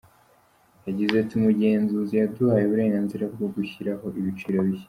Yagize ati “Umugenzuzi yaduhaye uburenganzira bwo gushyiraho ibiciro bishya.